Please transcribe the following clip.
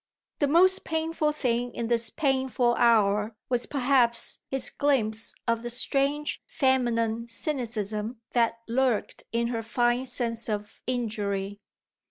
The most painful thing in this painful hour was perhaps his glimpse of the strange feminine cynicism that lurked in her fine sense of injury.